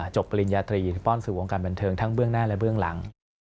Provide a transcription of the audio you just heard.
ปริญญาตรีป้อนสู่วงการบันเทิงทั้งเบื้องหน้าและเบื้องหลัง